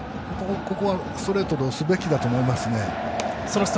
ストレートで押すべきだと思います。